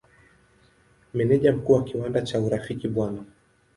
Meneja Mkuu wa kiwanda cha Urafiki Bw.